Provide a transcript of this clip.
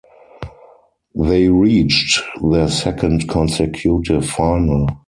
They reached their second consecutive final.